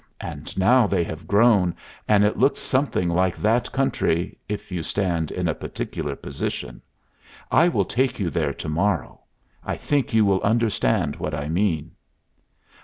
And now they have grown, and it looks something like that country, if you stand in a particular position. I will take you there to morrow. I think you will understand what I mean."